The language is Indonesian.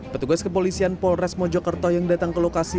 petugas kepolisian polres mojokerto yang datang ke lokasi